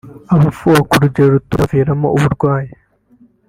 Abafuha ku rugero rutuma byabaviramo uburwayi